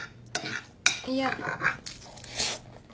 いや。